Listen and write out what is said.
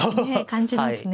感じますね。